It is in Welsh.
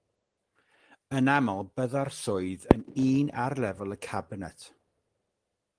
Yn aml byddai'r swydd yn un ar lefel y cabinet.